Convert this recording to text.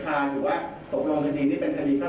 หรือว่าตกลงคดีนี่เป็นคดีพระบัติกรรม